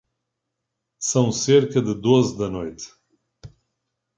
São cerca de doze da noite.